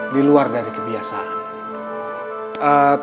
diluar dari kebiasaan